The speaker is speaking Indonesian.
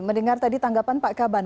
mendengar tadi tanggapan pak kaban